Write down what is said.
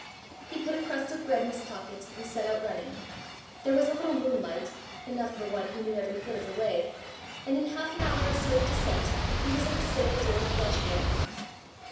He put a crust of bread in his pocket, and set out running. There was a little moonlight, enough for one who knew every foot of the way; and in half an hour of swift descent, he was at the stable door of Glashruach.